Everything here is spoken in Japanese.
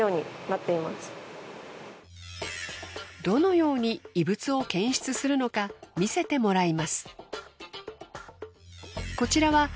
どのように異物を検出するのか見せてもらいます。